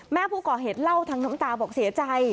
แม่ผู้ก่อเหตุเล่าทางน้ำตาบอกเสียใจ